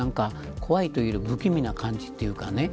怖いというより不気味な感じというか